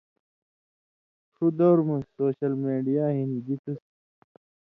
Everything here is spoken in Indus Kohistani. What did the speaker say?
ݜُو دور مہ سو شل میڈیا ہِن بِتُس